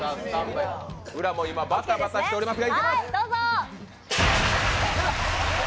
裏も今、バタバタしておりますが。